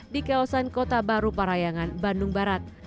di kawasan kota baru parayangan bandung barat